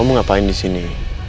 kamu ngapain disini